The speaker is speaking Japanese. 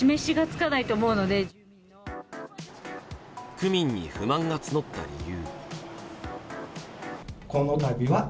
区民に不満が募った理由。